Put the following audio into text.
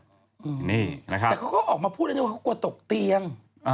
แต่เขาก็ออกมาพูดอะไรนะเขากลัวตกเตียง